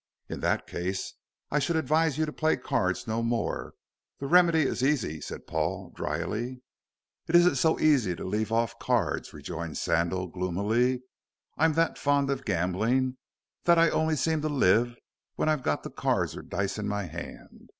"In that case I should advise you to play cards no more. The remedy is easy," said Paul, dryly. "It isn't so easy to leave off cards," rejoined Sandal, gloomily. "I'm that fond of gambling that I only seem to live when I've got the cards or dice in my hand.